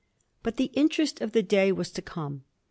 But the interest of the day wad to come.